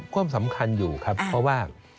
ความสำคัญอยู่ครับเพราะว่า